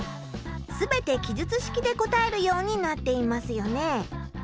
全て記述式で答えるようになっていますよね。